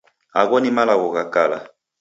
Agho ni malagho gha kala.